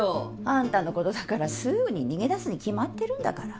あんたのことだからすぐに逃げ出すに決まってるんだから。